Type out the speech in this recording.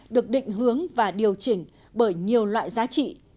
được định hướng và điều chỉnh bởi nhiều loại giá trị